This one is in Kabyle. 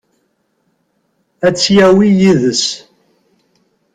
Ad tt-yawi yid-s?